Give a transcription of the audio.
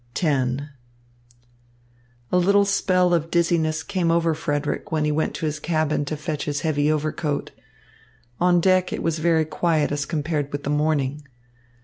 X A little spell of dizziness came over Frederick when he went to his cabin to fetch his heavy overcoat. On deck it was very quiet as compared with the morning.